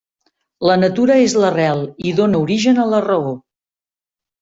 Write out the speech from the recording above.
La natura és l'arrel i dóna origen a la raó.